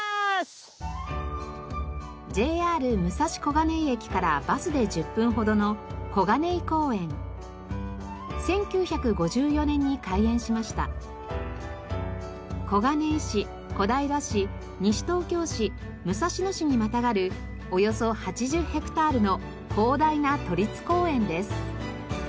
ＪＲ武蔵小金井駅からバスで１０分ほどの小金井市小平市西東京市武蔵野市にまたがるおよそ８０ヘクタールの広大な都立公園です。